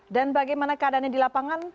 dan bagaimana keadaannya di lapangan